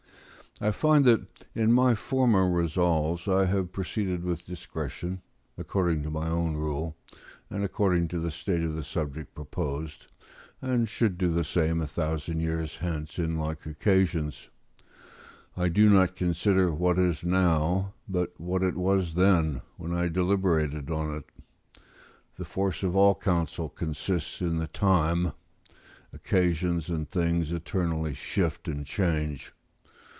I find that, in my former resolves, I have proceeded with discretion, according to my own rule, and according to the state of the subject proposed, and should do the same a thousand years hence in like occasions; I do not consider what it is now, but what it was then, when I deliberated on it: the force of all counsel consists in the time; occasions and things eternally shift and change.